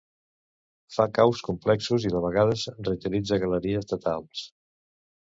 Fa caus complexos i de vegades reutilitza galeries de talps.